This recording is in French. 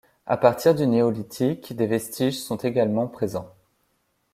À partir du néolithique, des vestiges sont également présents.